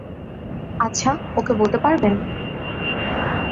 আচ্ছা, ওকে বলতে পারবেন?